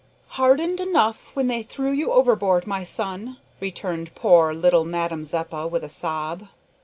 "Hardened enough when they threw you overboard, my son," returned poor little Madame Zeppa, with a sob.